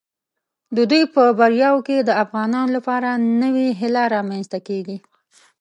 د دوی په بریاوو کې د افغانانو لپاره نوې هیله رامنځته کیږي.